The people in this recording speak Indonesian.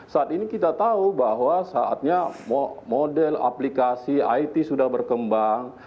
saat ini kita tahu bahwa saatnya model aplikasi it sudah berkembang